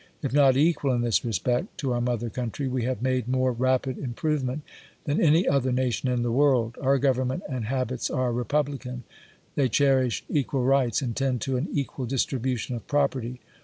If not equal m this respect, to our mother country, we have made more rapid improvement than any other nation in the world. Our government and habits are republican ; they cherish equal rights, and tend to an equal distribution of property.